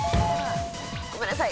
ごめんなさい。